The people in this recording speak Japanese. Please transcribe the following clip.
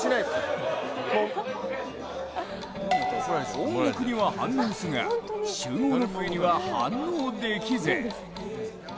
音楽には反応するが集合の笛には反応できず。